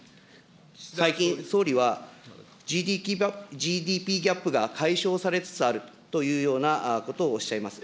最近、総理はＧＤＰギャップが解消されつつあるというようなことをおっしゃいます。